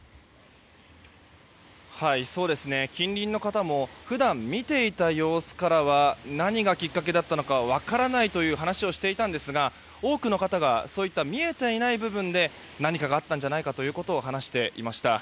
近隣の方も普段見ていた様子からは何がきっかけだったのか分からないという話をしていたんですが多くの方が見えていない部分で何かがあったんじゃないかと話していました。